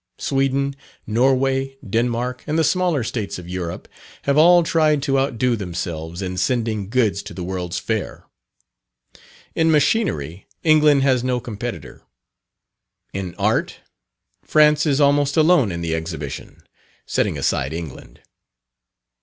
Sweden, Norway, Denmark, and the smaller states of Europe, have all tried to outdo themselves in sending goods to the World's Fair. In Machinery, England has no competitor. In Art, France is almost alone in the Exhibition, setting aside England.